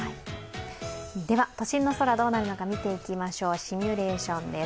都心の空がどうなるのか見ていきましょう、シミュレーションです